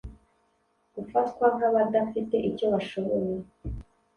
gufatwa nk’abadafite icyo bashoboye